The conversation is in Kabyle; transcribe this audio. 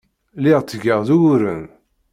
Lliɣ ttgeɣ-d uguren.